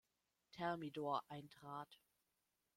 Thermidor eintrat.